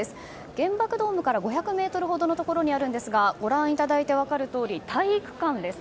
原爆ドームから５００ｍほどのところにあるんですがご覧いただいて分かるように体育館です。